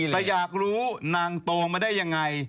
แต่อยากรู้นางโตมาได้ยังไง